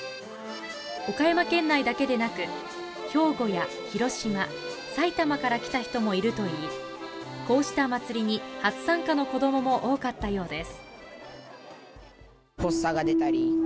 岡山県内だけでなく、兵庫や広島、埼玉から来た人もいるといい、こうした祭りに初参加の子供も多かったようです。